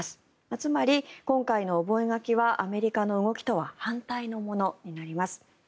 つまり、今回の覚書はアメリカの動きとは反対のものとなります。